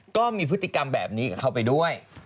ก็มีพฤติกรรมแบบนี้กับเขาไปด้วย